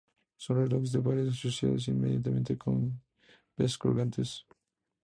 Son relojes de pared, accionados mediante pesas colgantes.